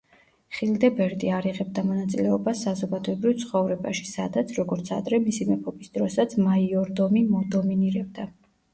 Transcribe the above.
ხილდებერტი არ იღებდა მონაწილეობას საზოგადოებრივ ცხოვრებაში, სადაც, როგორც ადრე, მისი მეფობის დროსაც, მაიორდომი დომინირებდა.